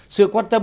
sự quan tâm